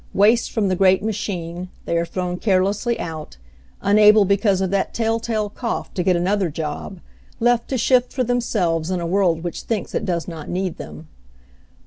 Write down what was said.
Waste from the great machine, they are thrown carelessly out, unable because of that tell tale cough to get an other job, left to shift for themselves in a world which thinks it does not need them.